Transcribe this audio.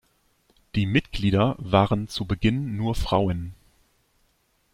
Die Mitglieder waren zu Beginn nur Frauen.